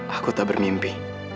aku tak bermimpi